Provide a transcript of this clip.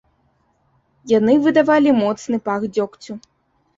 Яны выдавалі моцны пах дзёгцю.